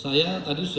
siapa kenapa dia other